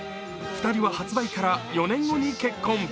２人は発売から４年後に結婚。